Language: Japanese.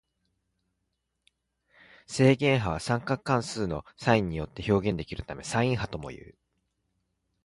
正弦波は三角関数のサインによって表現できるためサイン波ともいう。